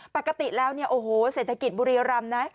ปกติแล้วเนี่ยโอ้โหเศรษฐกิจบุรีรำนะ